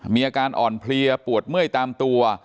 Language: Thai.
มีอาการอ่อนเพลียปวดเมื่อยตามตัว